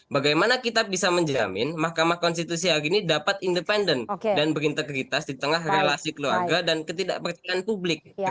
bagaimana kita bisa menjamin mahkamah konstitusi hari ini dapat independen dan berintegritas di tengah relasi keluarga dan ketidakpercayaan publik